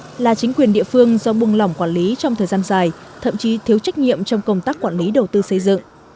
đây là chính quyền địa phương do buông lỏng quản lý trong thời gian dài thậm chí thiếu trách nhiệm trong công tác quản lý đầu tư xây dựng